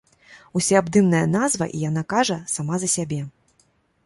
Усёабдымная назва, і яна кажа сама за сябе.